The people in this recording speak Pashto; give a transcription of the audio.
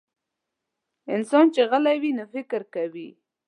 انسان چې غلی وي، نو فکر کوي.